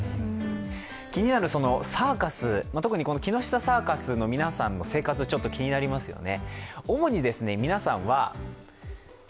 気になるサーカス、特に木下サーカスの皆さんの生活ちょっと気になりますよね。